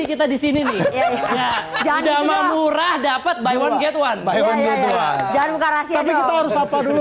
kita disini nih jaman murah dapat by one get one by one get one jangan buka rasi harus apa dulu